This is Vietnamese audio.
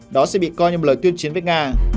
đó sẽ bị coi như một lời tuyên chiến với nga